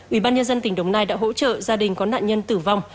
ủy ban nhân dân tỉnh đồng nai đã hỗ trợ gia đình có nạn nhân tử vong